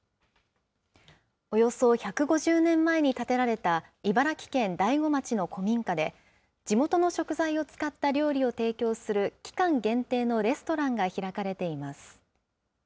およそ１５０年前に建てられた茨城県大子町の古民家で、地元の食材を使った料理を提供する、期間限定のレストランが開かれています。